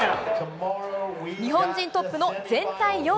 日本人トップの全体４位。